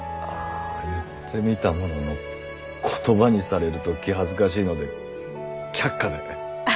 あ言ってみたものの言葉にされると気恥ずかしいので却下で。